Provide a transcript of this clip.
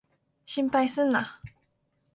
心配すんな。